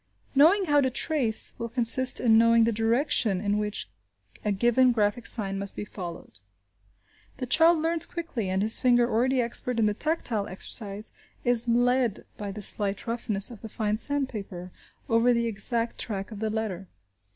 "Knowing how to trace " will consist in knowing the direction in which a given graphic sign must be followed. The child learns quickly, and his finger, already expert in the tactile exercise, is led, by the slight roughness of the fine sandpaper, over the exact track of the letter.